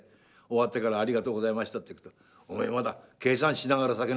終わってから「ありがとうございました」って行くと「お前まだ計算しながら酒飲んでるぞ。